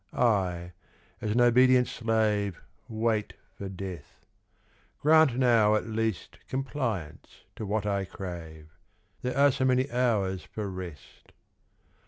I, as an obedient slave Wait for death ; grant now at least Compliance to what I crave — There are so many hours for rest.